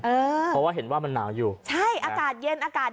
เพราะว่าเห็นว่ามันหนาวอยู่ใช่อากาศเย็นอากาศ